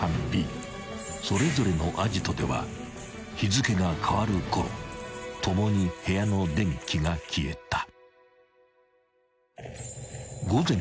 ［それぞれのアジトでは日付が変わる頃共に部屋の電気が消えた］